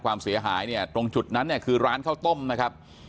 ความเสียหายเนี่ยตรงจุดนั้นเนี่ยคือร้านข้าวต้มนะครับ